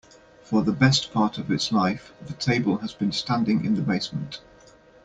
For the best part of its life, the table has been standing in the basement.